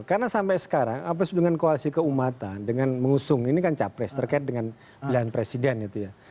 karena sampai sekarang apa yang disebut dengan koalisi keumatan dengan mengusung ini kan capres terkait dengan pilihan presiden itu ya